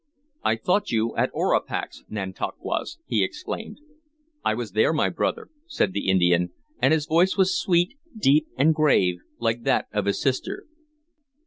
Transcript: "I thought you at Orapax, Nantauquas!" he exclaimed. "I was there, my brother," said the Indian, and his voice was sweet, deep, and grave, like that of his sister.